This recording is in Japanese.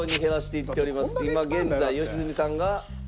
今現在良純さんが。